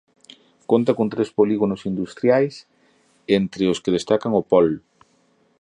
Conta con tres Polígonos industriais entre os que destacan o pol.